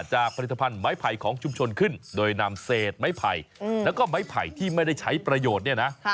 จากผลิตภัณฑ์ไม้ไผ่ของชุมชนขึ้นโดยนำเศษไม้ไผ่แล้วก็ไม้ไผ่ที่ไม่ได้ใช้ประโยชน์เนี่ยนะ